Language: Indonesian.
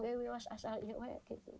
mama tidak tahu saya tidak tahu saya tidak tahu